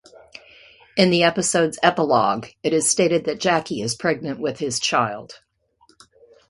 In the episode's epilogue, it is stated that Jackie is pregnant with his child.